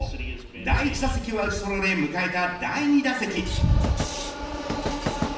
第１打席は打ち取られ迎えた第２打席。